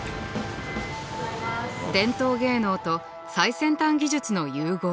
伝統芸能と最先端技術の融合。